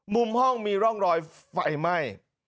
มุมห้องมีร่องรอยไฟไหม้